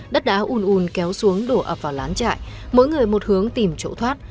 đất đá un un kéo xuống đổ ập vào lán chạy mỗi người một hướng tìm chỗ thoát